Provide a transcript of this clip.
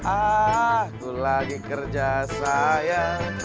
aku lagi kerja sayang